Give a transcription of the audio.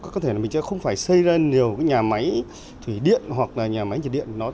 có thể là mình sẽ không phải xây lên nhiều nhà máy thủy điện hoặc nhà máy nhiệt điện